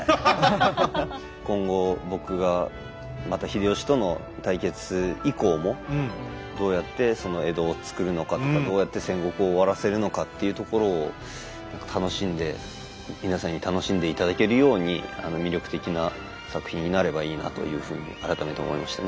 今後僕がまた秀吉との対決以降もどうやってその江戸をつくるのかとかどうやって戦国を終わらせるのかっていうところを何か楽しんで皆さんに楽しんで頂けるように魅力的な作品になればいいなというふうに改めて思いましたね。